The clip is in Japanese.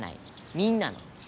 みんなの。